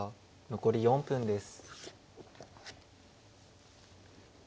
残り４分です。